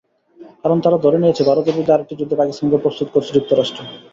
কারণ তারা ধরে নিয়েছে ভারতের বিরুদ্ধে আরেকটি যুদ্ধে পাকিস্তানকে প্রস্তুত করছে যুক্তরাষ্ট্র।